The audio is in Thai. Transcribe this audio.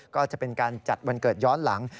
ก็จะเป็นการจัดวันเกิดย้อนหลัง